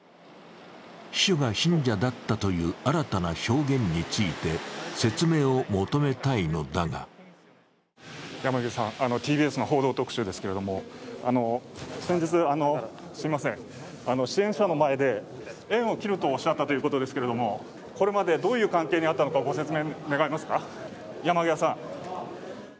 秘書が信者だったという新たな証言について説明を求めたいのだが山際さん、ＴＢＳの「報道特集」ですけど、先日、支援者の前で、縁を切るとおっしゃったということですが、これまでどういう関係にあったのかご説明願えますか？